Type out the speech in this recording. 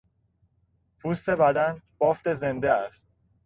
پوست بدن بافت زنده است.